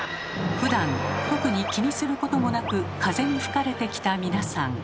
ふだん特に気にすることもなく風に吹かれてきた皆さん。